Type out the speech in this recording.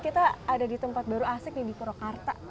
kita ada di tempat baru asik nih di purwakarta